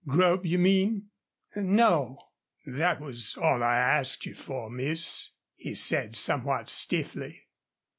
"Grub, you mean?" "No." "That was all I asked you for, miss," he said, somewhat stiffly.